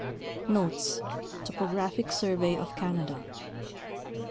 NOTES. Topographic Survey of Canada.